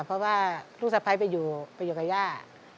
เพราะว่าลูกสะพ้ายไปอยู่กับย่า